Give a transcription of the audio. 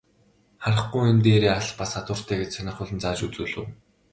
Харахгүй юу, энэ дээрээ алх бас хадууртай гээд сонирхуулан зааж үзүүлэв.